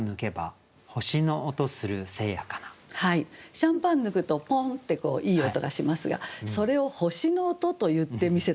シャンパン抜くとポンッてこういい音がしますがそれを「星の音」と言ってみせたかっていうね